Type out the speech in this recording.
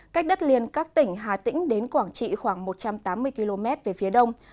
cách đất liền các tỉnh hà tĩnh đến quảng trị khoảng một trăm tám mươi km về phía đông